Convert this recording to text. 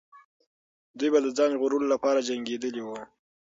دوی به د ځان ژغورلو لپاره جنګېدلې وو.